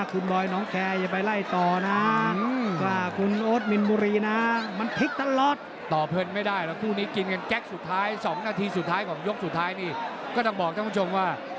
คุณร้อยน้องแค่ย่าไปไล่ต่อนา